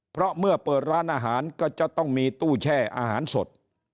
เพราะเมื่อเปิดร้านอาหารก็จะต้องมีตู้แช่อาหารสด